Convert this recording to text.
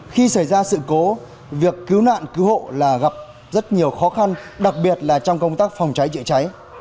khi xảy ra sự cố việc cứu nạn cứu hộ là gặp rất nhiều khó khăn đặc biệt là trong công tác phòng cháy chữa cháy